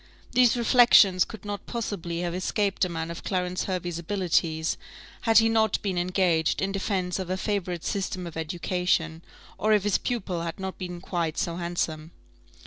These reflections could not possibly have escaped a man of Clarence Hervey's abilities, had he not been engaged in defence of a favourite system of education, or if his pupil had not been quite so handsome.